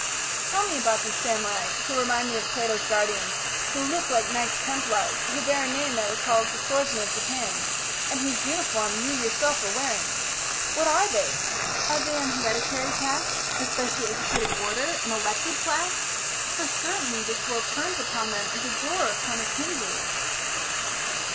Tell me about these samurai, who remind me of Plato's guardians, who look like Knights Templars, who bear a name that recalls the swordsmen of Japan ... and whose uniform you yourself are wearing. What are they? Are they an hereditary caste, a specially educated order, an elected class? For, certainly, this world turns upon them as a door upon its hinges."